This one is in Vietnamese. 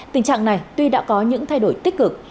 tình trạng này tuy đã có những thay đổi tích cực